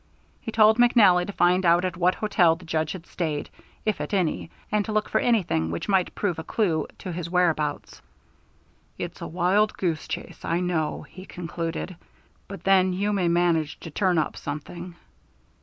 He told McNally to find out at what hotel the Judge had stayed, if at any, and to look for anything which might prove a clew to his whereabouts. "It's a wild goose chase, I know," he concluded; "but then you may manage to turn up something."